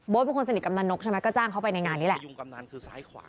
โบดเป็นคนสัญญาณกำลังนกใช่นะก็จ้างเขาไปในงานนี้แหละ